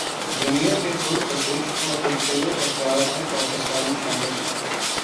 دنیا کے پرکشش اور خوبصورت افراد میں پاکستانی شامل